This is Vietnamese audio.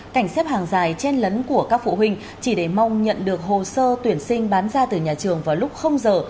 cảnh xếp hàng dài chen lấn của các phụ huynh chỉ để mong nhận được hồ sơ tuyển sinh bán ra từ nhà trường vào lúc giờ